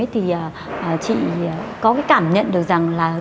thì chị có cảm nhận được rằng